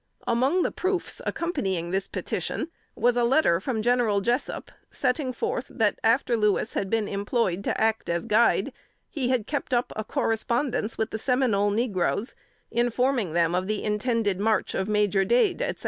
Among the proofs accompanying this petition was a letter from General Jessup, setting forth that, after Louis had been employed to act as guide, he had kept up a correspondence with the "Seminole negroes," informing them of the intended march of Major Dade, etc.